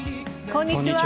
こんにちは。